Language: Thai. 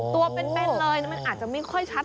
ตัวเป็นเลยมันอาจจะไม่ค่อยชัด